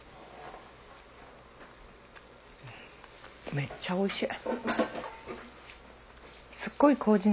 めっちゃおいしい。